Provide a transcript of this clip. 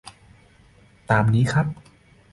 ตามนี้ครับ